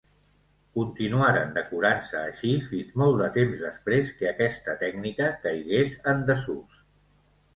Continuaren decorant-se així fins molt de temps després que aquesta tècnica caigués en desús.